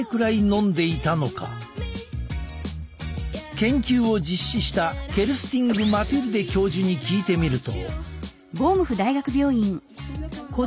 研究を実施したケルスティング・マティルデ教授に聞いてみると。